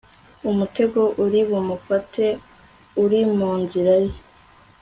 umutego uri bumufate uri mu nzira ye